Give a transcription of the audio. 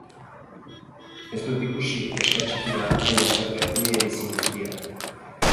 Ez dut ikusi neska txiki bat hain haserre nire bizi guztian.